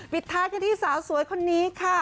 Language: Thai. ท้ายกันที่สาวสวยคนนี้ค่ะ